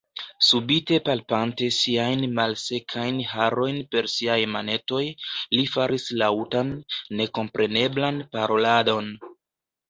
Subite palpante siajn malsekajn harojn per siaj manetoj, li faris laŭtan, nekompreneblan paroladon.